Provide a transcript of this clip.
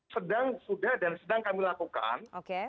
sedang sudah dan sedang kami lakukan